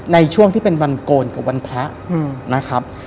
ในช่วงที่เป็นวันโกรธกับวันพระ